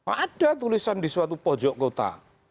ada tulisan di suatu pojok kota